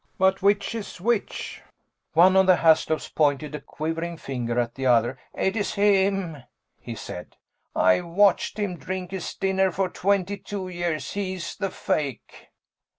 But which is which?" One of the Haslops pointed a quivering finger at the other. "It's him!" he said. "I've watched him drink his dinner for twenty two years he's the fake!"